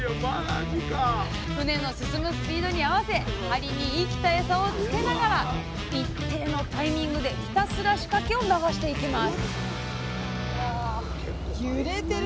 船の進むスピードに合わせ針に生きたエサをつけながら一定のタイミングでひたすら仕掛けを流していきます